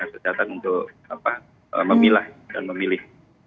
dan juga kejadian untuk memilah dan memilih